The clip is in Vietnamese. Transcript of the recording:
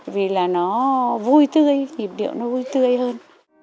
vì là nó vui tươi nhịp điệu nó vui tươi hơn